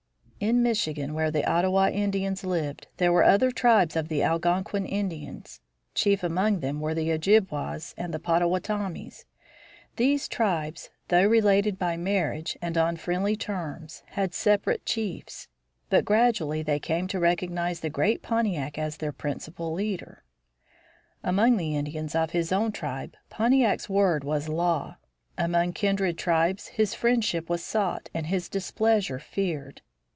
In Michigan, where the Ottawa Indians lived, there were other tribes of the Algonquin Indians. Chief among these were the Ojibwas and the Pottawottomies. These tribes, though related by marriage and on friendly terms, had separate chiefs. But gradually they came to recognize the great Pontiac as their principal ruler. Among the Indians of his own tribe Pontiac's word was law. Among kindred tribes his friendship was sought and his displeasure feared.